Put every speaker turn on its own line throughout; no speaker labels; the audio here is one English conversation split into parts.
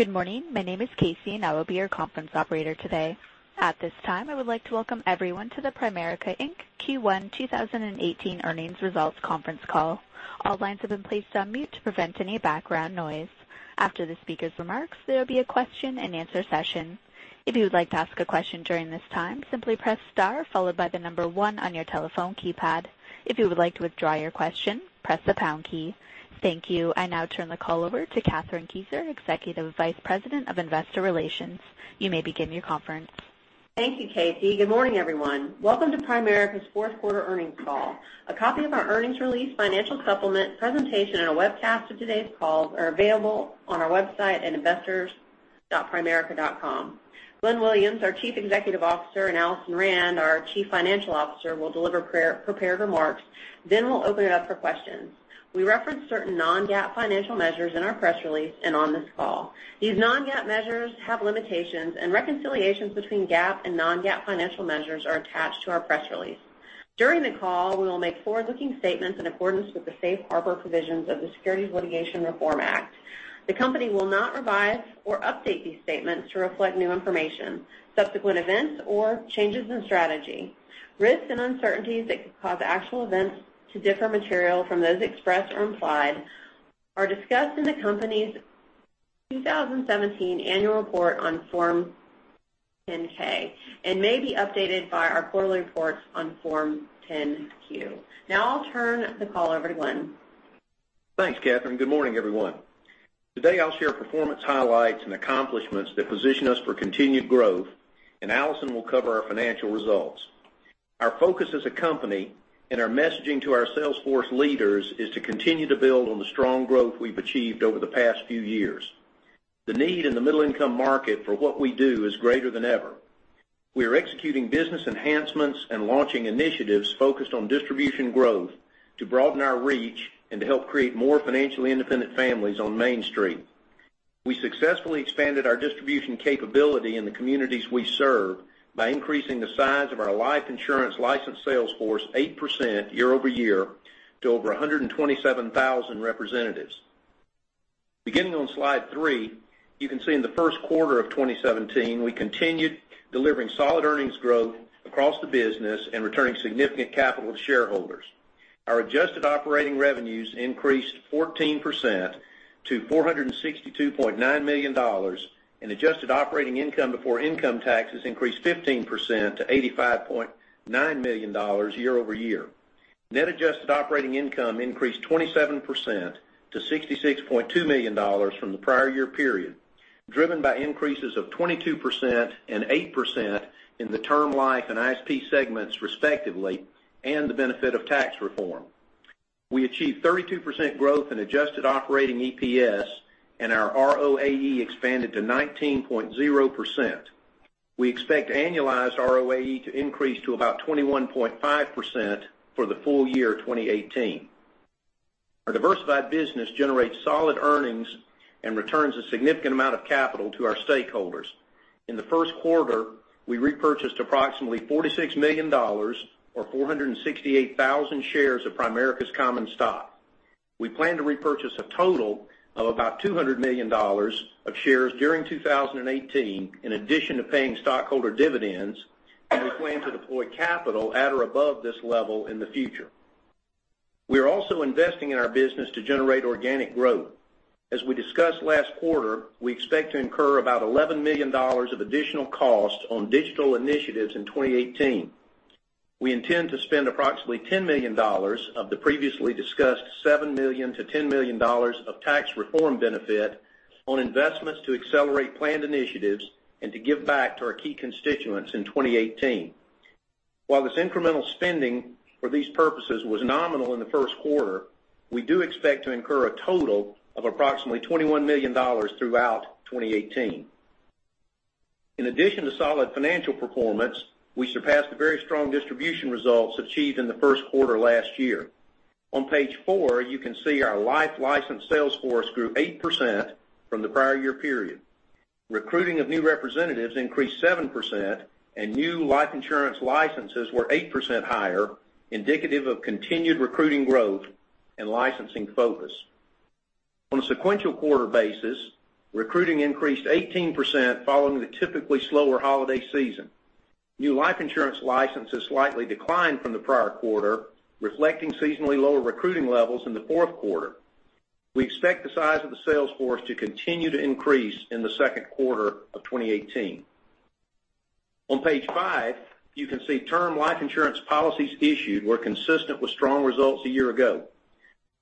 Good morning. My name is Casey and I will be your conference operator today. At this time, I would like to welcome everyone to the Primerica, Inc. Q1 2018 Earnings Results Conference Call. All lines have been placed on mute to prevent any background noise. After the speaker's remarks, there will be a question and answer session. If you would like to ask a question during this time, simply press star followed by the number one on your telephone keypad. If you would like to withdraw your question, press the pound key. Thank you. I now turn the call over to Kathryn Kieser, Executive Vice President of Investor Relations. You may begin your conference.
Thank you, Casey. Good morning, everyone. Welcome to Primerica's fourth quarter earnings call. A copy of our earnings release, financial supplement presentation, and a webcast of today's call are available on our website at investors.primerica.com. Glenn Williams, our Chief Executive Officer, and Alison Rand, our Chief Financial Officer, will deliver prepared remarks. We'll open it up for questions. We reference certain non-GAAP financial measures in our press release and on this call. These non-GAAP measures have limitations, and reconciliations between GAAP and non-GAAP financial measures are attached to our press release. During the call, we will make forward-looking statements in accordance with the safe harbor provisions of the Private Securities Litigation Reform Act. The company will not revise or update these statements to reflect new information, subsequent events, or changes in strategy. Risks and uncertainties that could cause actual events to differ materially from those expressed or implied are discussed in the company's 2017 annual report on Form 10-K and may be updated by our quarterly reports on Form 10-Q. I'll turn the call over to Glenn.
Thanks, Kathryn. Good morning, everyone. Today I'll share performance highlights and accomplishments that position us for continued growth and Alison will cover our financial results. Our focus as a company and our messaging to our sales force leaders is to continue to build on the strong growth we've achieved over the past few years. The need in the middle-income market for what we do is greater than ever. We are executing business enhancements and launching initiatives focused on distribution growth to broaden our reach and to help create more financially independent families on Main Street. We successfully expanded our distribution capability in the communities we serve by increasing the size of our life insurance licensed sales force 8% year-over-year to over 127,000 representatives. Beginning on slide three, you can see in the first quarter of 2017, we continued delivering solid earnings growth across the business and returning significant capital to shareholders. Our adjusted operating revenues increased 14% to $462.9 million and adjusted operating income before income taxes increased 15% to $85.9 million year-over-year. Net adjusted operating income increased 27% to $66.2 million from the prior year period, driven by increases of 22% and 8% in the Term Life and ISP segments, respectively, and the benefit of tax reform. We achieved 32% growth in adjusted operating EPS and our ROAE expanded to 19.0%. We expect annualized ROAE to increase to about 21.5% for the full year 2018. Our diversified business generates solid earnings and returns a significant amount of capital to our stakeholders. In the first quarter, we repurchased approximately $46 million or 468,000 shares of Primerica's common stock. We plan to repurchase a total of about $200 million of shares during 2018 in addition to paying stockholder dividends. We plan to deploy capital at or above this level in the future. We are also investing in our business to generate organic growth. As we discussed last quarter, we expect to incur about $11 million of additional cost on digital initiatives in 2018. We intend to spend approximately $10 million of the previously discussed $7 million-$10 million of tax reform benefit on investments to accelerate planned initiatives and to give back to our key constituents in 2018. While this incremental spending for these purposes was nominal in the first quarter, we do expect to incur a total of approximately $21 million throughout 2018. In addition to solid financial performance, we surpassed the very strong distribution results achieved in the first quarter last year. On page four, you can see our life licensed sales force grew 8% from the prior year period. Recruiting of new representatives increased 7%. New life insurance licenses were 8% higher, indicative of continued recruiting growth and licensing focus. On a sequential quarter basis, recruiting increased 18% following the typically slower holiday season. New life insurance licenses slightly declined from the prior quarter, reflecting seasonally lower recruiting levels in the fourth quarter. We expect the size of the sales force to continue to increase in the second quarter of 2018. On page five, you can see Term Life insurance policies issued were consistent with strong results a year ago.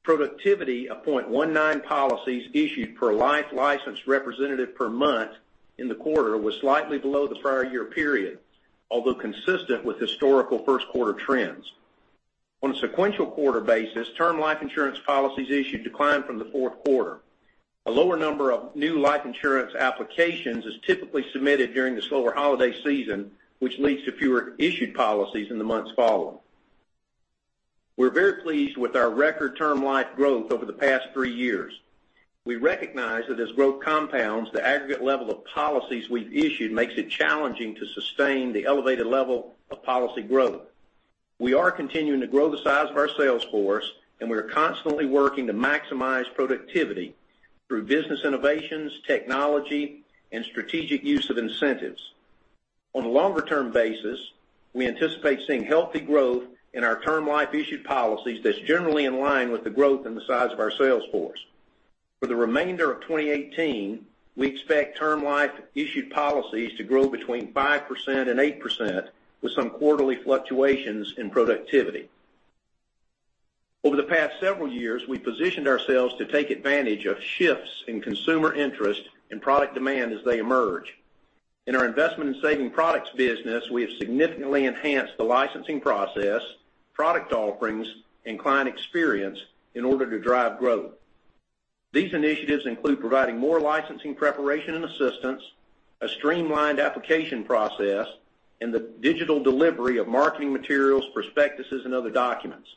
Productivity of 0.19 policies issued per life licensed representative per month in the quarter was slightly below the prior year period, although consistent with historical first quarter trends. On a sequential quarter basis, Term Life insurance policies issued declined from the fourth quarter. A lower number of new life insurance applications is typically submitted during the slower holiday season, which leads to fewer issued policies in the months following. We're very pleased with our record Term Life growth over the past three years. We recognize that as growth compounds, the aggregate level of policies we've issued makes it challenging to sustain the elevated level of policy growth. We are continuing to grow the size of our sales force. We are constantly working to maximize productivity through business innovations, technology, and strategic use of incentives. On a longer-term basis, we anticipate seeing healthy growth in our Term Life issued policies that's generally in line with the growth in the size of our sales force. For the remainder of 2018, we expect Term Life issued policies to grow between 5% and 8% with some quarterly fluctuations in productivity. Over the past several years, we've positioned ourselves to take advantage of shifts in consumer interest and product demand as they emerge. In our Investment and Savings Products business, we have significantly enhanced the licensing process, product offerings, and client experience in order to drive growth. These initiatives include providing more licensing preparation and assistance, a streamlined application process, and the digital delivery of marketing materials, prospectuses, and other documents.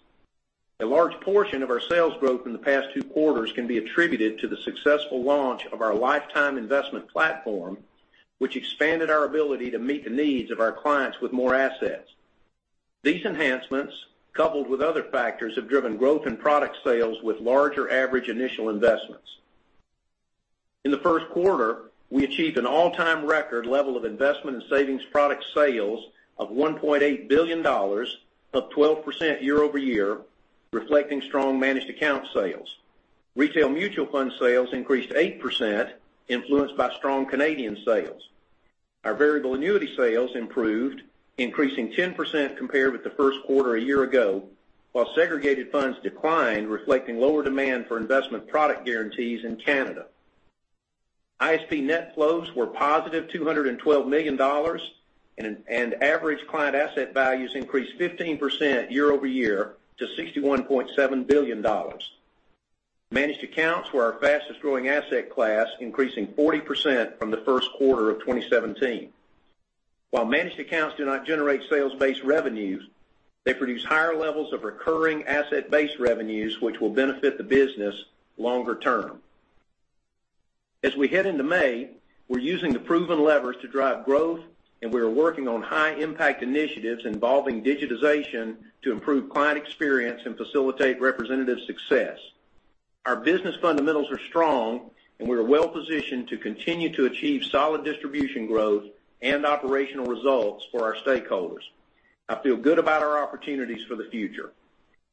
A large portion of our sales growth in the past two quarters can be attributed to the successful launch of our Lifetime Investment Platform, which expanded our ability to meet the needs of our clients with more assets. These enhancements, coupled with other factors, have driven growth in product sales with larger average initial investments. In the first quarter, we achieved an all-time record level of Investment and Savings Products sales of $1.8 billion, up 12% year-over-year, reflecting strong Managed Account sales. Retail Mutual Fund sales increased 8%, influenced by strong Canadian sales. Our Variable Annuity sales improved, increasing 10% compared with the first quarter a year ago, while Segregated Funds declined, reflecting lower demand for investment product guarantees in Canada. ISP net flows were positive $212 million, and average client asset values increased 15% year-over-year to $61.7 billion. Managed Accounts were our fastest-growing asset class, increasing 40% from the first quarter of 2017. While Managed Accounts do not generate sales-based revenues, they produce higher levels of recurring asset-based revenues, which will benefit the business longer term. As we head into May, we're using the proven levers to drive growth, and we are working on high-impact initiatives involving digitization to improve client experience and facilitate representative success. Our business fundamentals are strong, and we are well-positioned to continue to achieve solid distribution growth and operational results for our stakeholders. I feel good about our opportunities for the future.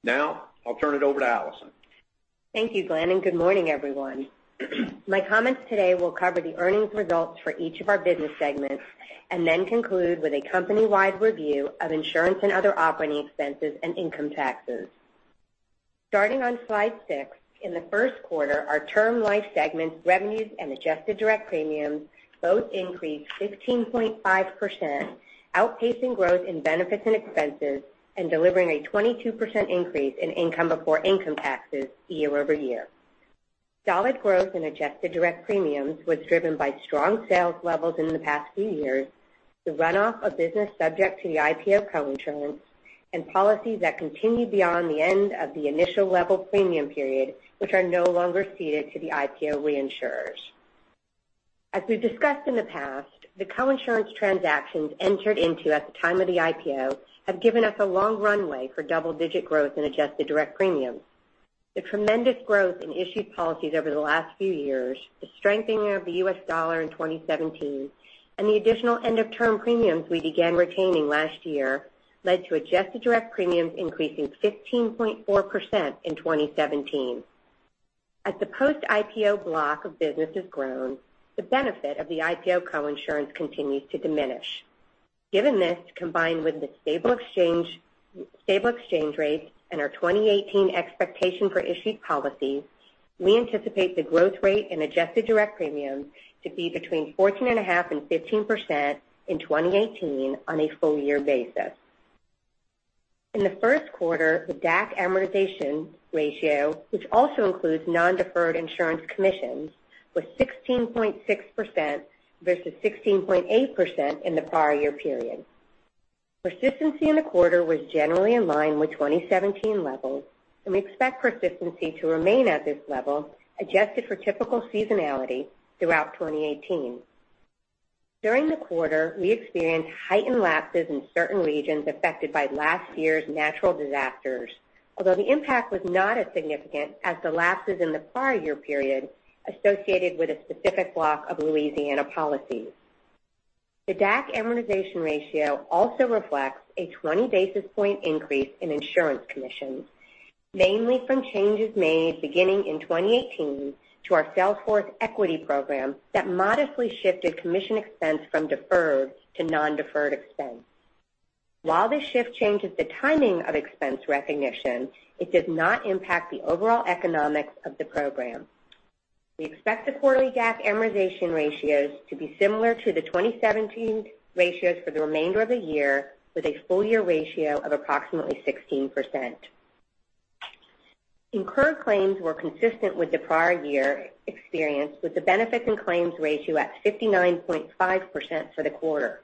Now, I'll turn it over to Alison.
Thank you, Glenn, and good morning, everyone. My comments today will cover the earnings results for each of our business segments, then conclude with a company-wide review of insurance and other operating expenses and income taxes. Starting on slide six, in the first quarter, our Term Life segment's revenues and adjusted direct premiums both increased 16.5%, outpacing growth in benefits and expenses and delivering a 22% increase in income before income taxes year-over-year. Solid growth in adjusted direct premiums was driven by strong sales levels in the past few years, the runoff of business subject to the IPO coinsurance, and policies that continued beyond the end of the initial level premium period, which are no longer ceded to the IPO reinsurers. As we've discussed in the past, the coinsurance transactions entered into at the time of the IPO have given us a long runway for double-digit growth in adjusted direct premiums. The tremendous growth in issued policies over the last few years, the strengthening of the U.S. dollar in 2017, and the additional end-of-term premiums we began retaining last year led to adjusted direct premiums increasing 15.4% in 2017. As the post-IPO block of business has grown, the benefit of the IPO coinsurance continues to diminish. Given this, combined with the stable exchange rates and our 2018 expectation for issued policies, we anticipate the growth rate in adjusted direct premiums to be between 14.5%-15% in 2018 on a full-year basis. In the first quarter, the DAC amortization ratio, which also includes non-deferred insurance commissions, was 16.6% versus 16.8% in the prior year period. Persistency in the quarter was generally in line with 2017 levels, and we expect persistency to remain at this level, adjusted for typical seasonality, throughout 2018. During the quarter, we experienced heightened lapses in certain regions affected by last year's natural disasters. Although the impact was not as significant as the lapses in the prior year period associated with a specific block of Louisiana policies. The DAC amortization ratio also reflects a 20-basis-point increase in insurance commissions, mainly from changes made beginning in 2018 to our Sales Force Equity program that modestly shifted commission expense from deferred to non-deferred expense. While this shift changes the timing of expense recognition, it does not impact the overall economics of the program. We expect the quarterly DAC amortization ratios to be similar to the 2017 ratios for the remainder of the year with a full-year ratio of approximately 16%. Incurred claims were consistent with the prior year experience with the benefits and claims ratio at 59.5% for the quarter.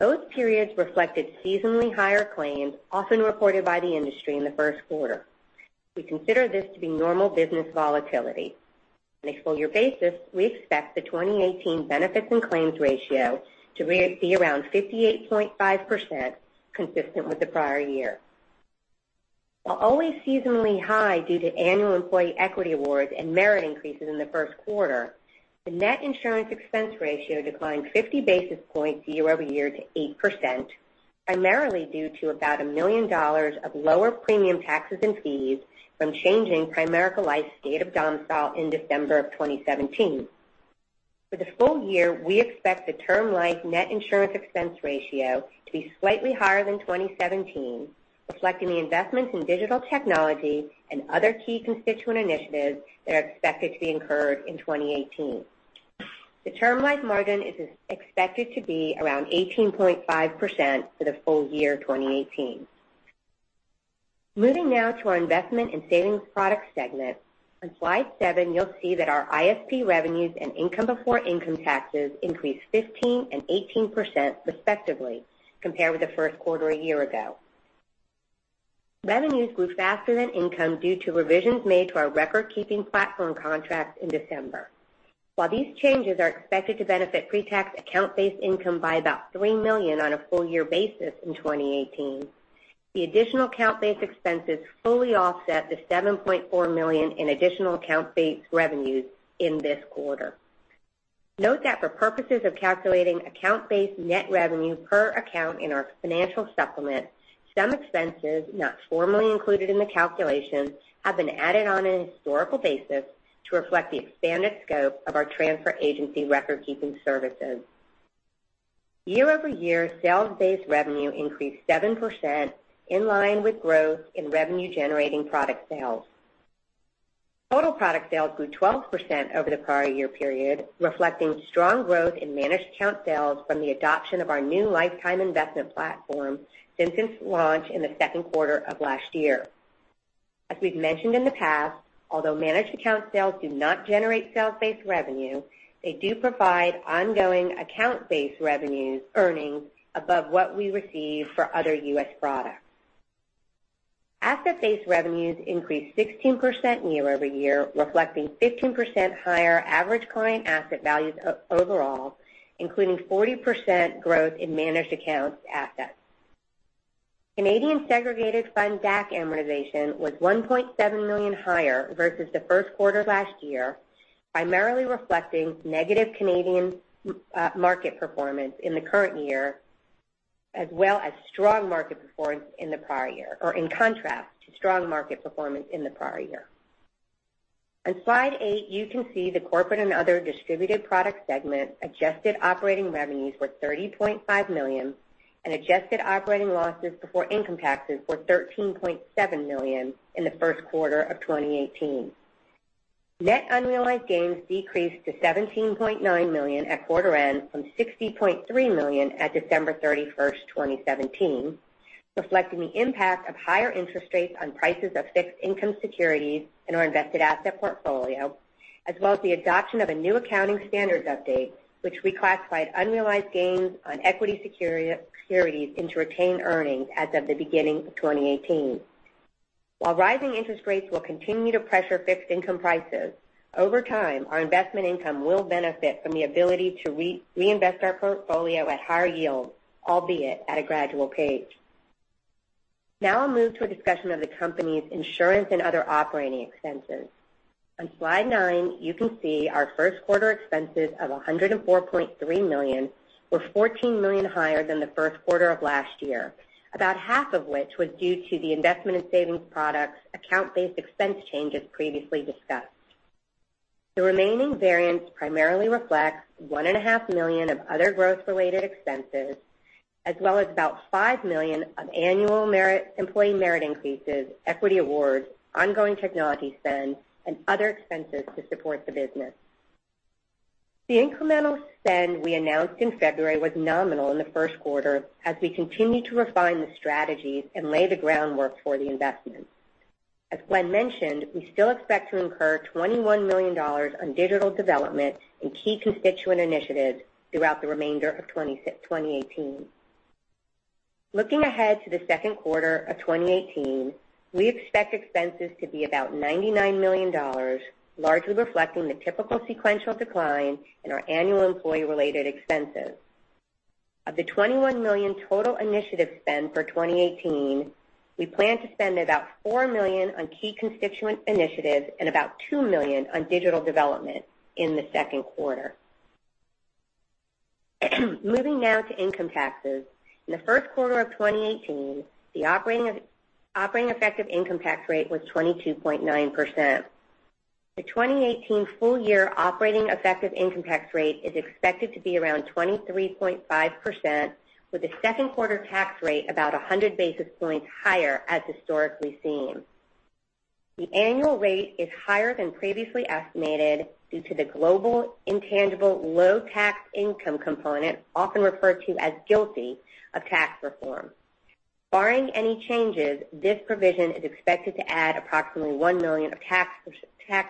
Both periods reflected seasonally higher claims, often reported by the industry in the first quarter. We consider this to be normal business volatility. On a full-year basis, we expect the 2018 benefits and claims ratio to be around 58.5%, consistent with the prior year. While always seasonally high due to annual employee equity awards and merit increases in the first quarter, the net insurance expense ratio declined 50 basis points year-over-year to 8%, primarily due to about $1 million of lower premium taxes and fees from changing Primerica Life's state of domicile in December of 2017. For the full year, we expect the Term Life net insurance expense ratio to be slightly higher than 2017, reflecting the investments in digital technology and other key constituent initiatives that are expected to be incurred in 2018. The Term Life margin is expected to be around 18.5% for the full year 2018. Moving now to our Investment and Savings Products segment. On slide seven, you'll see that our ISP revenues and income before income taxes increased 15% and 18% respectively, compared with the first quarter a year ago. Revenues grew faster than income due to revisions made to our record-keeping platform contract in December. While these changes are expected to benefit pre-tax account-based income by about $3 million on a full-year basis in 2018, the additional account-based expenses fully offset the $7.4 million in additional account-based revenues in this quarter. Note that for purposes of calculating account-based net revenue per account in our financial supplement, some expenses not formally included in the calculation have been added on a historical basis to reflect the expanded scope of our transfer agency record-keeping services. Year-over-year, sales-based revenue increased 7%, in line with growth in revenue-generating product sales. Total product sales grew 12% over the prior year period, reflecting strong growth in Managed Accounts sales from the adoption of our new Lifetime Investment Platform since its launch in the second quarter of last year. As we've mentioned in the past, although Managed Accounts sales do not generate sales-based revenue, they do provide ongoing account-based revenue earnings above what we receive for other U.S. products. Asset-based revenues increased 16% year-over-year, reflecting 15% higher average client asset values overall, including 40% growth in Managed Accounts assets. Canadian Segregated Funds DAC amortization was $1.7 million higher versus the first quarter last year, primarily reflecting negative Canadian market performance in the current year, as well as strong market performance in the prior year, or in contrast to strong market performance in the prior year. On slide eight, you can see the Corporate and Other Distributed Product segment adjusted operating revenues were $30.5 million and adjusted operating losses before income taxes were $13.7 million in the first quarter of 2018. Net unrealized gains decreased to $17.9 million at quarter end from $60.3 million at December 31, 2017, reflecting the impact of higher interest rates on prices of fixed income securities in our invested asset portfolio, as well as the adoption of a new accounting standards update, which reclassified unrealized gains on equity securities into retained earnings as of the beginning of 2018. While rising interest rates will continue to pressure fixed income prices, over time, our investment income will benefit from the ability to reinvest our portfolio at higher yields, albeit at a gradual pace. Now I'll move to a discussion of the company's insurance and other operating expenses. On slide nine, you can see our first quarter expenses of $104.3 million were $14 million higher than the first quarter of last year, about half of which was due to the Investment and Savings Products account-based expense changes previously discussed. The remaining variance primarily reflects one and a half million of other growth-related expenses, as well as about $5 million of annual employee merit increases, equity awards, ongoing technology spend, and other expenses to support the business. The incremental spend we announced in February was nominal in the first quarter as we continue to refine the strategies and lay the groundwork for the investment. As Glenn mentioned, we still expect to incur $21 million on digital development and key constituent initiatives throughout the remainder of 2018. Looking ahead to the second quarter of 2018, we expect expenses to be about $99 million, largely reflecting the typical sequential decline in our annual employee-related expenses. Of the $21 million total initiative spend for 2018, we plan to spend about $4 million on key constituent initiatives and about $2 million on digital development in the second quarter. Moving now to income taxes. In the first quarter of 2018, the operating effective income tax rate was 22.9%. The 2018 full year operating effective income tax rate is expected to be around 23.5%, with the second quarter tax rate about 100 basis points higher as historically seen. The annual rate is higher than previously estimated due to the global intangible low tax component, often referred to as GILTI, of tax reform. Barring any changes, this provision is expected to add approximately $1 million of tax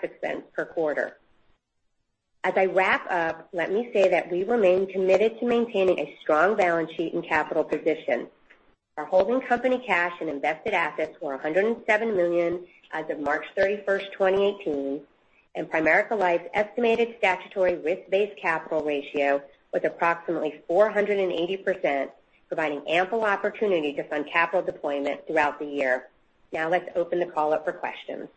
expense per quarter. As I wrap up, let me say that we remain committed to maintaining a strong balance sheet and capital position. Our holding company cash and invested assets were $107 million as of March 31st, 2018, and Primerica Life's estimated statutory risk-based capital ratio was approximately 480%, providing ample opportunity to fund capital deployment throughout the year. Let's open the call up for questions.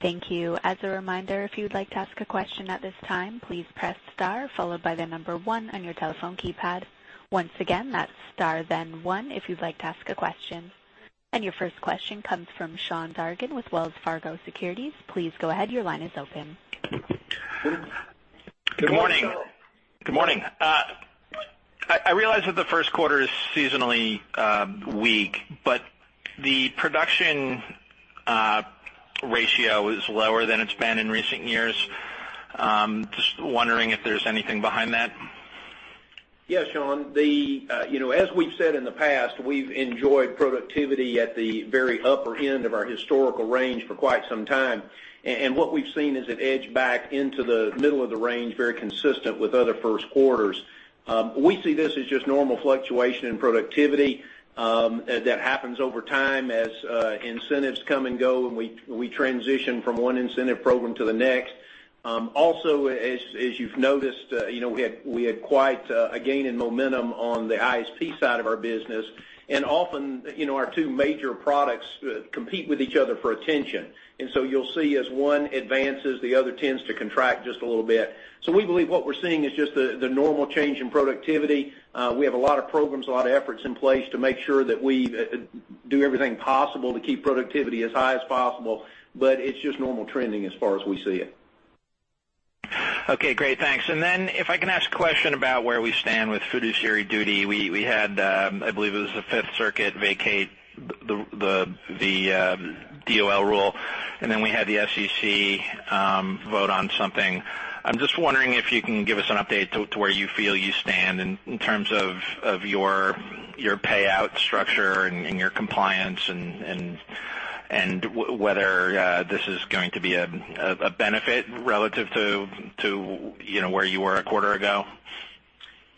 Thank you. As a reminder, if you'd like to ask a question at this time, please press star followed by the number one on your telephone keypad. Once again, that's star, then one if you'd like to ask a question. Your first question comes from Sean Dargan with Wells Fargo Securities. Please go ahead. Your line is open.
Good morning. I realize that the first quarter is seasonally weak, but the production ratio is lower than it's been in recent years. I'm just wondering if there's anything behind that.
Yes, Sean. As we've said in the past, we've enjoyed productivity at the very upper end of our historical range for quite some time. What we've seen is it edge back into the middle of the range, very consistent with other first quarters. We see this as just normal fluctuation in productivity that happens over time as incentives come and go, and we transition from one incentive program to the next. Also, as you've noticed, we had quite a gain in momentum on the ISP side of our business, often our two major products compete with each other for attention. You'll see as one advances, the other tends to contract just a little bit. We believe what we're seeing is just the normal change in productivity. We have a lot of programs, a lot of efforts in place to make sure that we do everything possible to keep productivity as high as possible, but it's just normal trending as far as we see it.
Okay, great. Thanks. If I can ask a question about where we stand with fiduciary duty. We had, I believe it was the Fifth Circuit vacate the DOL rule, and then we had the SEC vote on something. I'm just wondering if you can give us an update to where you feel you stand in terms of your payout structure and your compliance and whether this is going to be a benefit relative to where you were a quarter ago.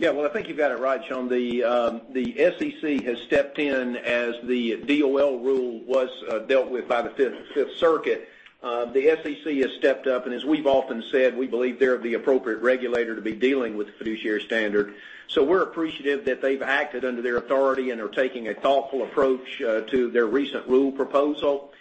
Well, I think you've got it right, Sean. The SEC has stepped in as the DOL rule was dealt with by the Fifth Circuit. The SEC has stepped up, and as we've often said, we believe they're the appropriate regulator to be dealing with the fiduciary standard. We're appreciative that they've acted under their authority and are taking a thoughtful approach to their recent rule proposal.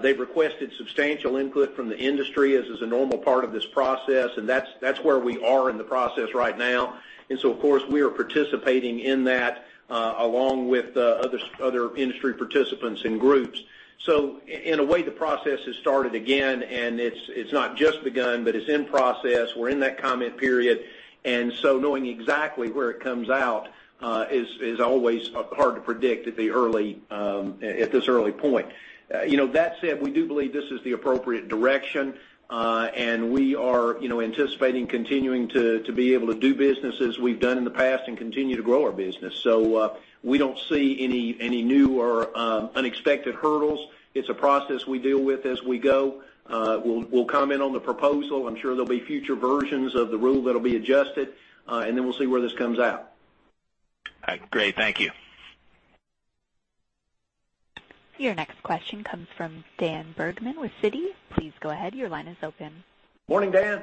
They've requested substantial input from the industry as is a normal part of this process, and that's where we are in the process right now. Of course, we are participating in that, along with other industry participants and groups. In a way, the process has started again, and it's not just begun, but it's in process. We're in that comment period. Knowing exactly where it comes out, is always hard to predict at this early point. That said, we do believe this is the appropriate direction, and we are anticipating continuing to be able to do business as we've done in the past and continue to grow our business. We don't see any new or unexpected hurdles. It's a process we deal with as we go. We'll comment on the proposal. I'm sure there'll be future versions of the rule that'll be adjusted, and then we'll see where this comes out.
Great. Thank you.
Your next question comes from Daniel Bergman with Citi. Please go ahead. Your line is open.
Morning, Dan.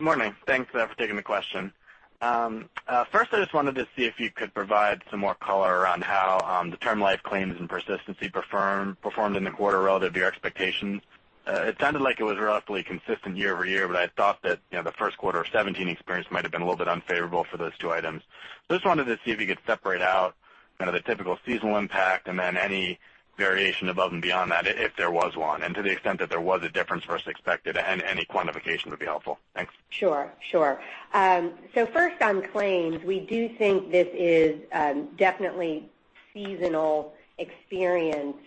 Morning. Thanks for taking the question. First, I just wanted to see if you could provide some more color on how the Term Life claims and persistency performed in the quarter relative to your expectations. It sounded like it was relatively consistent year-over-year, but I thought that the first quarter of 2017 experience might have been a little bit unfavorable for those two items. Just wanted to see if you could separate out kind of the typical seasonal impact and then any variation above and beyond that, if there was one. To the extent that there was a difference versus expected and any quantification would be helpful. Thanks.
Sure. First on claims, we do think this is definitely seasonal experience.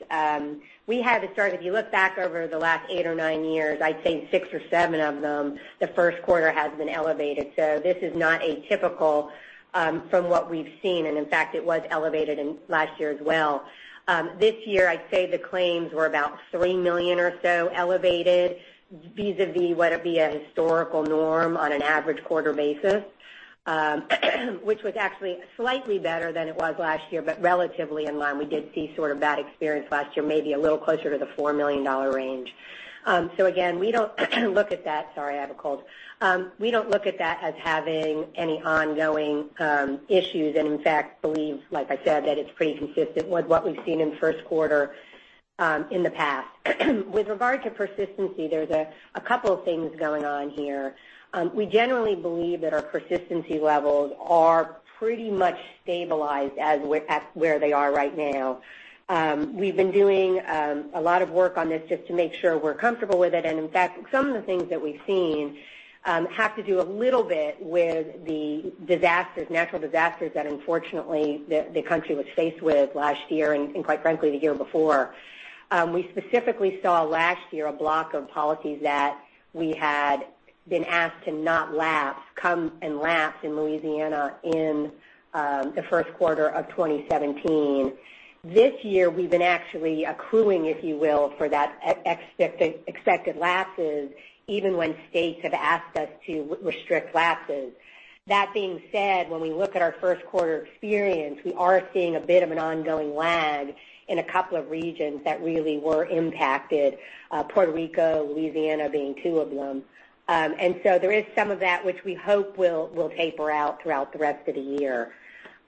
If you look back over the last 8 or 9 years, I'd say 6 or 7 of them, the First Quarter has been elevated. This is not atypical from what we've seen. In fact, it was elevated last year as well. This year, I'd say the claims were about $3 million or so elevated vis-a-vis what would be a historical norm on an average quarter basis, which was actually slightly better than it was last year, but relatively in line. We did see sort of that experience last year, maybe a little closer to the $4 million range. Again, we don't look at that as having any ongoing issues, and in fact, believe, like I said, that it's pretty consistent with what we've seen in First Quarter, in the past. With regard to persistency, there's a couple of things going on here. We generally believe that our persistency levels are pretty much stabilized at where they are right now. We've been doing a lot of work on this just to make sure we're comfortable with it. In fact, some of the things that we've seen have to do a little bit with the natural disasters that unfortunately the country was faced with last year and quite frankly, the year before. We specifically saw last year a block of policies that we had been asked to not lapse, come and lapse in Louisiana in the First Quarter of 2017. This year, we've been actually accruing, if you will, for that expected lapses, even when states have asked us to restrict lapses. That being said, when we look at our First Quarter experience, we are seeing a bit of an ongoing lag in a couple of regions that really were impacted, Puerto Rico, Louisiana being two of them. There is some of that which we hope will taper out throughout the rest of the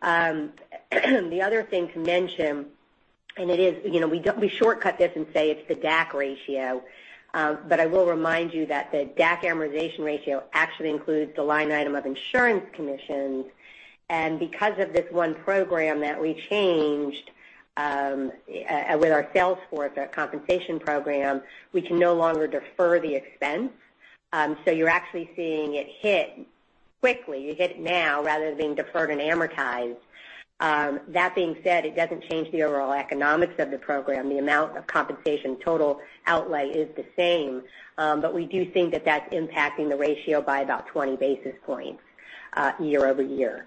year. The other thing to mention, we shortcut this and say it's the DAC ratio. I will remind you that the DAC amortization ratio actually includes the line item of insurance commissions. Because of this one program that we changed with our sales force, our compensation program, we can no longer defer the expense. You're actually seeing it hit quickly. You hit it now rather than being deferred and amortized. That being said, it doesn't change the overall economics of the program. The amount of compensation, total outlay is the same. We do think that that's impacting the ratio by about 20 basis points year-over-year.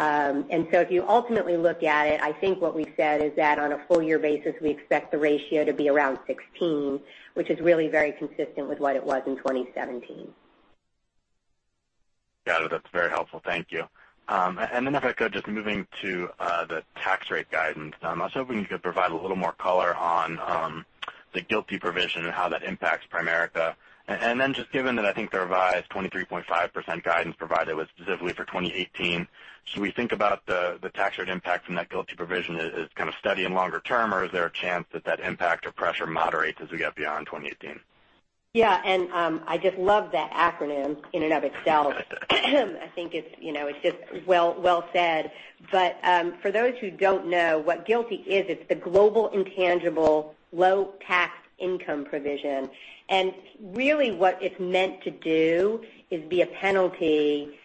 If you ultimately look at it, I think what we've said is that on a full year basis, we expect the ratio to be around 16%, which is really very consistent with what it was in 2017.
Got it. That's very helpful. Thank you. If I could, just moving to the tax rate guidance, I was hoping you could provide a little more color on the GILTI provision and how that impacts Primerica. Given that I think the revised 23.5% guidance provided was specifically for 2018, should we think about the tax rate impact from that GILTI provision as kind of steady and longer term, or is there a chance that that impact or pressure moderates as we get beyond 2018?
Yeah. I just love that acronym in and of itself. I think it's just well said. For those who don't know what GILTI is, it's the Global Intangible Low-Taxed Income provision. Really what it's meant to do is be a penalty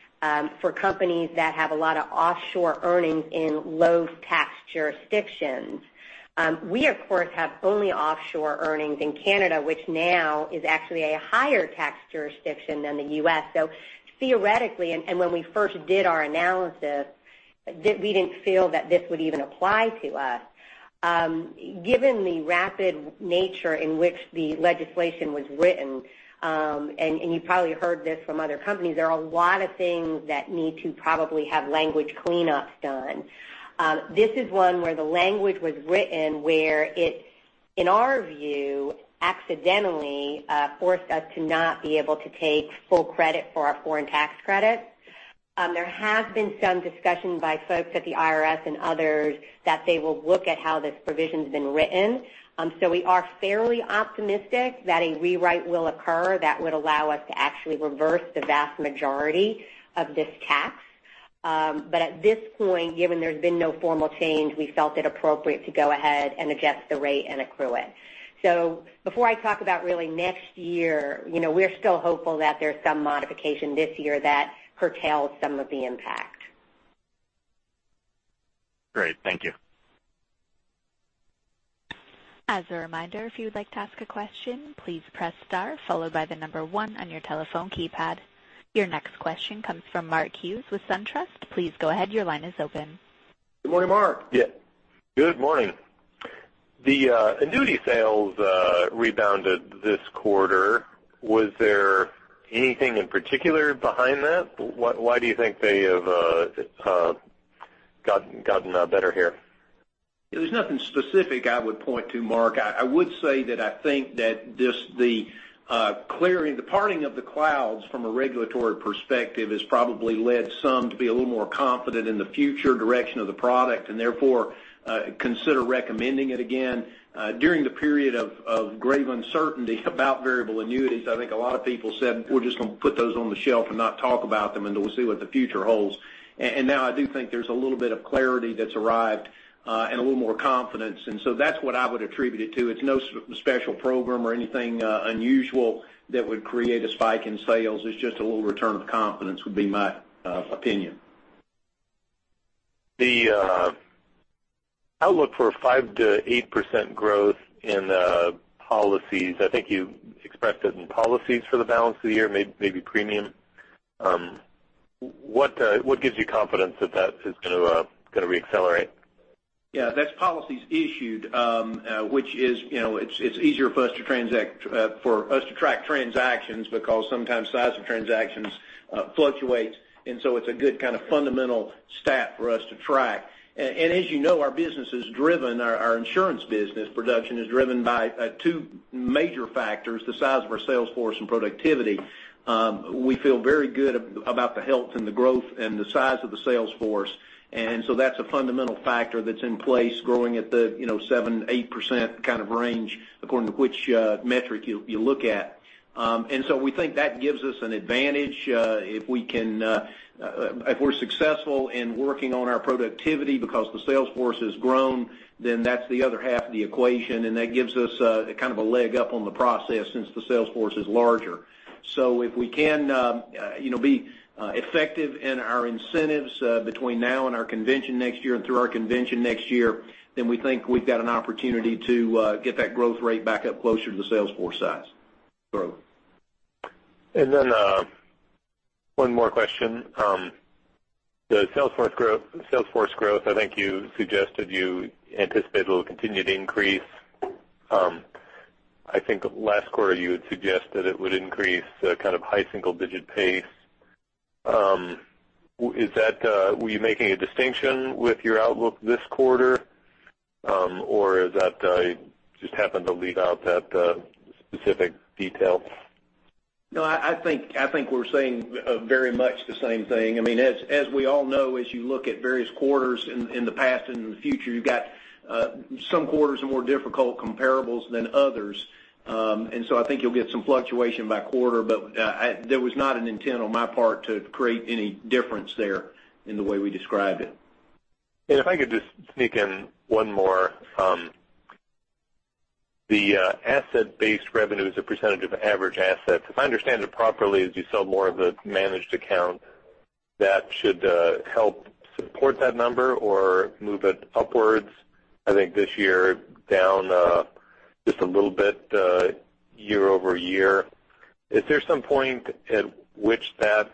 for companies that have a lot of offshore earnings in low-tax jurisdictions. We, of course, have only offshore earnings in Canada, which now is actually a higher tax jurisdiction than the U.S. Theoretically, when we first did our analysis, we didn't feel that this would even apply to us. Given the rapid nature in which the legislation was written, and you probably heard this from other companies, there are a lot of things that need to probably have language cleanups done. This is one where the language was written where it, in our view, accidentally forced us to not be able to take full credit for our foreign tax credits. There have been some discussions by folks at the IRS and others that they will look at how this provision's been written. We are fairly optimistic that a rewrite will occur that would allow us to actually reverse the vast majority of this tax. At this point, given there's been no formal change, we felt it appropriate to go ahead and adjust the rate and accrue it. Before I talk about really next year, we're still hopeful that there's some modification this year that curtails some of the impact.
Great. Thank you.
As a reminder, if you would like to ask a question, please press star followed by the number one on your telephone keypad. Your next question comes from Mark Hughes with SunTrust. Please go ahead. Your line is open.
Good morning, Mark.
Yeah. Good morning. The annuity sales rebounded this quarter. Was there anything in particular behind that? Why do you think they have gotten better here?
There's nothing specific I would point to, Mark. I would say that I think that just the parting of the clouds from a regulatory perspective has probably led some to be a little more confident in the future direction of the product, and therefore, consider recommending it again. During the period of grave uncertainty about Variable Annuities, I think a lot of people said, "We're just going to put those on the shelf and not talk about them, and we'll see what the future holds." Now I do think there's a little bit of clarity that's arrived and a little more confidence. So that's what I would attribute it to. It's no special program or anything unusual that would create a spike in sales. It's just a little return of confidence, would be my opinion.
The outlook for 5%-8% growth in policies, I think you expressed it in policies for the balance of the year, maybe premium. What gives you confidence that is going to re-accelerate?
Yeah, that's policies issued, which it's easier for us to track transactions because sometimes size of transactions fluctuates, so it's a good kind of fundamental stat for us to track. As you know, our business is driven, our insurance business production is driven by two major factors, the size of our sales force and productivity. We feel very good about the health and the growth and the size of the sales force. So that's a fundamental factor that's in place, growing at the 7%, 8% kind of range, according to which metric you look at. We think that gives us an advantage if we're successful in working on our productivity because the sales force has grown, that's the other half of the equation, and that gives us kind of a leg up on the process since the sales force is larger. If we can be effective in our incentives between now and our convention next year and through our convention next year, we think we've got an opportunity to get that growth rate back up closer to the sales force size growth.
One more question. The sales force growth, I think you suggested you anticipate it'll continue to increase. I think last quarter you had suggested it would increase kind of high single-digit pace. Were you making a distinction with your outlook this quarter, or is that just happened to leave out that specific detail?
No, I think we're saying very much the same thing. As we all know, as you look at various quarters in the past and in the future, you've got some quarters are more difficult comparables than others. I think you'll get some fluctuation by quarter, but there was not an intent on my part to create any difference there in the way we described it.
If I could just sneak in one more. The asset-based revenue as a percentage of average assets, if I understand it properly, as you sell more of the Managed Account, that should help support that number or move it upwards. I think this year down just a little bit year-over-year. Is there some point at which that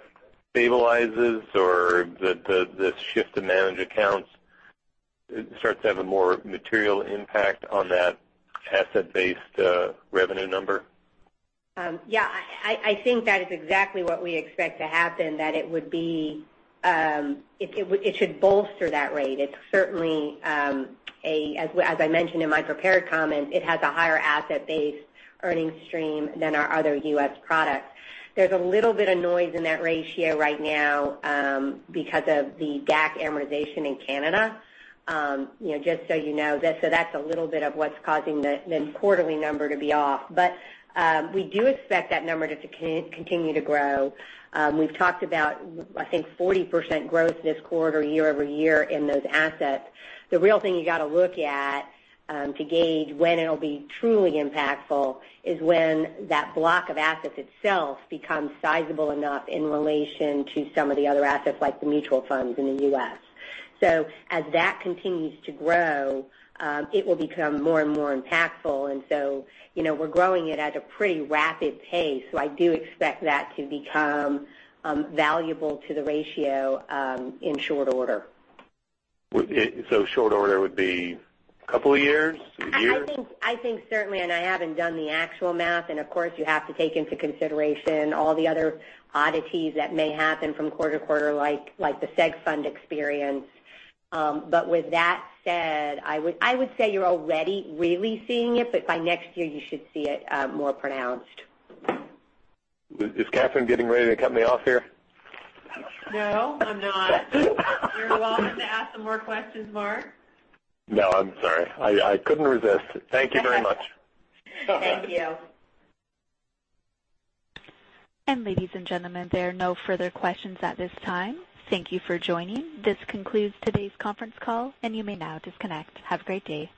stabilizes or the shift to Managed Accounts starts to have a more material impact on that asset-based revenue number?
Yeah. I think that is exactly what we expect to happen, that it should bolster that rate. It's certainly, as I mentioned in my prepared comments, it has a higher asset base earning stream than our other U.S. products. There's a little bit of noise in that ratio right now because of the DAC amortization in Canada. Just so you know, that's a little bit of what's causing the quarterly number to be off. We do expect that number to continue to grow. We've talked about, I think, 40% growth this quarter, year-over-year in those assets. The real thing you got to look at to gauge when it'll be truly impactful is when that block of assets itself becomes sizable enough in relation to some of the other assets like the Mutual Funds in the U.S.. As that continues to grow, it will become more and more impactful. We're growing it at a pretty rapid pace, I do expect that to become valuable to the ratio in short order.
short order would be a couple of years? A year?
I think certainly, I haven't done the actual math, of course, you have to take into consideration all the other oddities that may happen from quarter to quarter, like the Seg fund experience. With that said, I would say you're already really seeing it, by next year, you should see it more pronounced.
Is Kathryn getting ready to cut me off here?
No, I'm not. You're welcome to ask some more questions, Mark.
No, I'm sorry. I couldn't resist. Thank you very much.
Thank you.
Ladies and gentlemen, there are no further questions at this time. Thank you for joining. This concludes today's conference call, and you may now disconnect. Have a great day.